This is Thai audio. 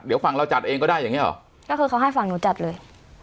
เดี๋ยวฝั่งเราจัดเองก็ได้อย่างเงี้หรอก็คือเขาให้ฝั่งหนูจัดเลย